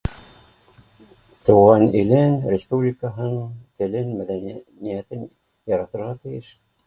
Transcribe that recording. Тыуған илен, республикаһын, телен, мәҙәниәтен яратырға тейеш